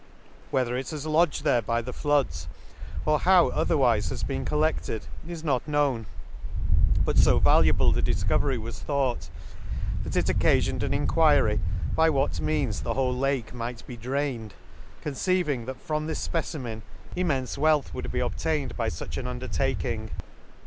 — Whether it has lodged there by the floods, or how otherwife been collect ed, is not known; but fo valuable the difcovery was thought, that it occasioned an enquiry by what means the whole Lake might be drained : conceiving that from this fpecimen, immenfe wealth would the L A K E s. 15T would be obtained by fuch an undertak ing..